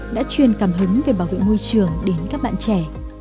đã truyền cảm hứng về bảo vệ môi trường đến các bạn trẻ